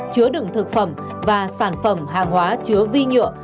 chứa đựng thực phẩm và sản phẩm hàng hóa chứa vi nhựa